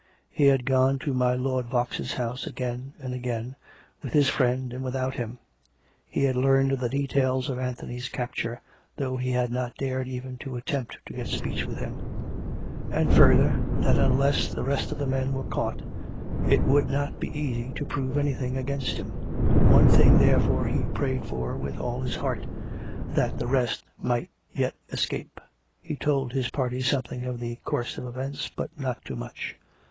He had gone to my Lord Vaux's house again and again, with his friend and without him; he had learned of the details of Anthony's capture, though he had not dared even to attempt to get speech with him; and, further, that unless the rest of the men were caught, it would not be easy to prove anything against him. One thing, therefore, he prayed for with all his heart — that the rest might yet escape. He told his party something of the course of events, but not too much.